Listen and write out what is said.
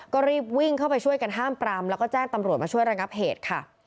ก็รีบวิ่งเข้าไปช่วยกันห้ามปรามแล้วก็แจ้งตำรวจมาช่วยระงับเหตุค่ะ